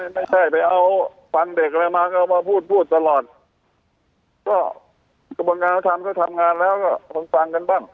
ไม่ใช่ไปเอาฟังเด็กอะไรมาก็เอามาพูดพูดตลอดก็กระบวนการทำก็ทำงานแล้วก็คงฟังกันบ้าง